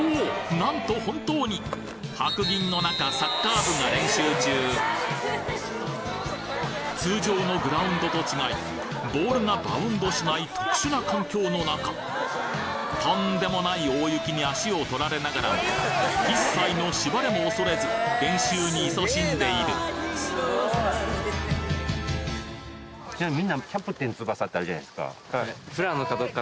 なんと本当に白銀の中サッカー部が練習中通常のグラウンドと違いボールがバウンドしない特殊な環境の中とんでもない大雪に足をとられながらも一切のしばれも恐れず練習にいそしんでいるあるじゃないですか。